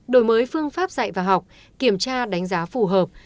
đổi mới phương pháp dạy và học kiểm tra đánh giá phù hợp